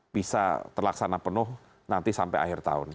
bisa terlaksana penuh nanti sampai akhir tahun